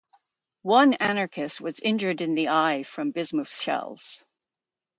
One anarchist was injured in the eye from bismuth shells.